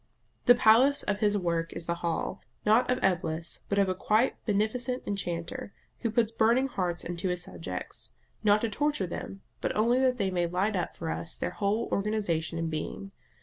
The palace of his work is the hall, not of Eblis, but of a quite beneficent enchanter, who puts burning hearts into his subjects, not to torture them, but only that they may light up for us their whole organisation and being.